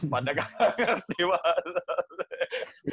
pada gak ngerti bahasa